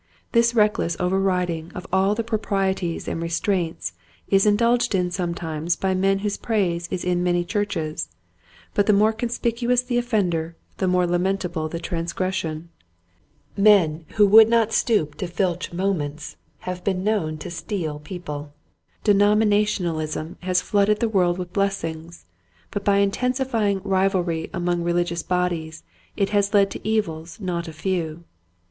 This reckless overriding of all the proprieties and restraints is indulged in sometimes by men whose praise is in many churches, but the mxore conspicuous the offender the more lamentable the trans gression. Men who would not stoop to filch 1 62 Qtiiet Hints to Growing Preachers. moments have been known to steal peo ple. Denominationalism has flooded the world with blessings, but by intensifying rivalry among religious bodies it has led to evils not a few.